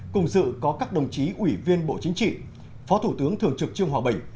cùng sự có các đồng chí ủy viên bộ chính trị phó thủ tướng thường trực trương hòa bình